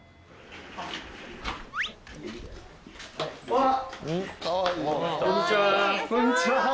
わっこんにちは。